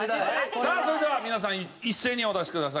さあそれでは皆さん一斉にお出しください。